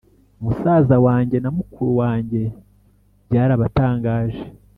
musaza wanjye na mukuru wanjye byarabatangaje